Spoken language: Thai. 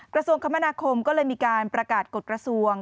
กระทรวงคมนาคมก็เลยมีการประกาศกฎกระทรวง